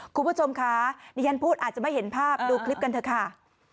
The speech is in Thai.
คุณผู้ชมคะดิฉันพูดอาจจะไม่เห็นภาพดูคลิปกันเถอะค่ะ